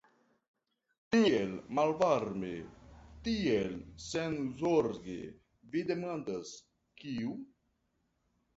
Tiel malvarme, tiel senzorge vi demandas, kiu?